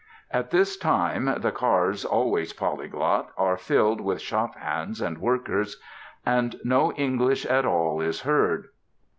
At this time the cars, always polyglot, are filled with shop hands and workers, and no English at all is heard.